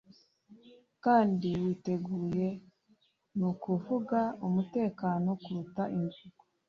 Kandi witeguye nukuvuga umutekano kuruta imvugo